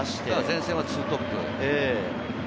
前線は２トップ。